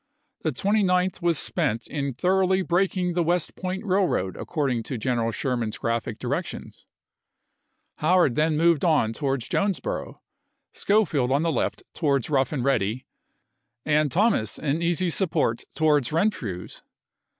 The 29th was spent in thoroughly breaking the Aug.,i86*. West Point railroad according to General Sher man's graphic directions. Howard then moved on towards Jonesboro, Schofield on the left towards Rough and Ready, and Thomas in easy support towards Renfrew's.